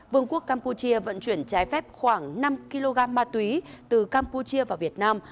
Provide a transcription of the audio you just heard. vương quốc campuchia vận chuyển trái phép khoảng năm kg ma túy từ campuchia vào việt nam